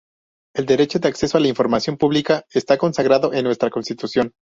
El Derecho al Acceso a la Información Pública está consagrado en nuestra Constitución.